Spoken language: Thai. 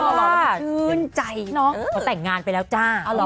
ชื่นใจน้องเต่งงานไปแล้วจ้า